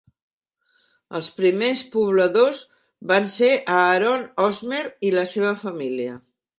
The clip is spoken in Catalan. Els primers pobladors van ser Aaron Hosmer i la seva família.